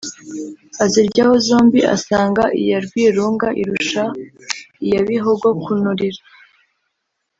Aziryaho zombi asanga iya Rwirungu irusha iya Bihogo kunurira